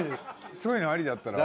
そういうのありだったら。